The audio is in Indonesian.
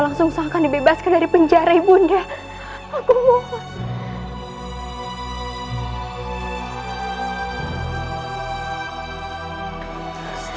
langsung akan dibebaskan dari penjara ibunda aku mohon aku mohon pamit ibu